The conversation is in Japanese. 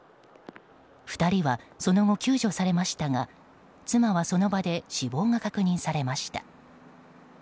２人はその後、救助されましたが妻はその場で死亡が確認されました。